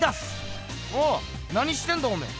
おっなにしてんだおめえ。